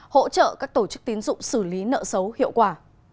hỗ trợ các tổ chức tiến dụng xử lý nợ xấu hiệu quả